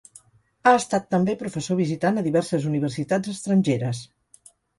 Ha estat també professor visitant a diverses universitats estrangeres.